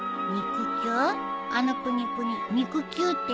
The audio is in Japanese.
あのプニプニ肉球って言うの？